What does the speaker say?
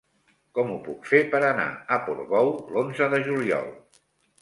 Com ho puc fer per anar a Portbou l'onze de juliol?